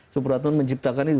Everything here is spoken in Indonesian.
supratman menciptakan itu